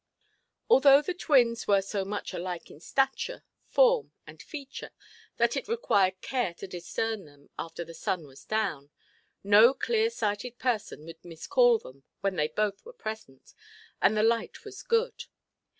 Although the twins were so much alike in stature, form, and feature that it required care to discern them after the sun was down, no clear–sighted person would miscall them when they both were present, and the light was good.